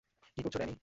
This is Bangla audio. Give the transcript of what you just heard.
কী করছো, ড্যানি?